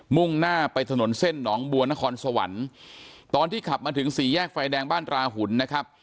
่งหน้าไปถนนเส้นหนองบัวนครสวรรค์ตอนที่ขับมาถึงสี่แยกไฟแดงบ้านตราหุ่นนะครับ